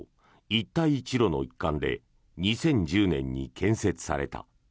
一帯一路の一環で２０１０年に建設された。